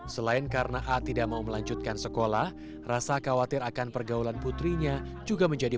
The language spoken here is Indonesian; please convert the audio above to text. selain karena a tidak mau melanjutkan sekolah rasa khawatir akan pergaulan putrinya juga menjadi